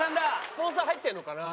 スポンサー入ってるのかな？